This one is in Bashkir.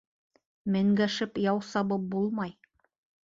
Менгәшеп яу сабып булмай.